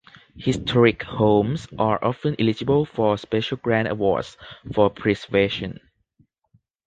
Historic homes are often eligible for special grant awards for preservation.